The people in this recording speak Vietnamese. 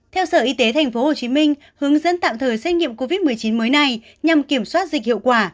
theo sở y tế tp hcm hướng dẫn tạm thời xét nghiệm covid một mươi chín mới này nhằm kiểm soát dịch hiệu quả